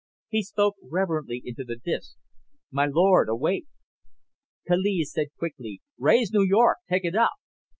He spoke reverently into the disk, "My lord, awake." Kaliz said quickly, "Raise New York! Take it up!"